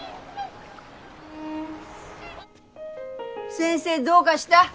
先生どうかした？